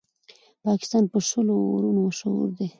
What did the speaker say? پاکستان په شلو اورونو مشهور دئ.